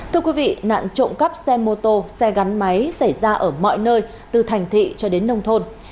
thưa quý vị nạn trộm cắp xe mô tô xe gắn máy xảy ra ở mọi nơi từ thành thị cho đến nông thôn